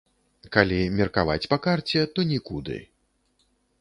Калі меркаваць па карце, то нікуды.